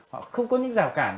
họ không có những rào cản